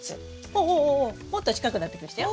おおおおもっと近くなってきましたよ。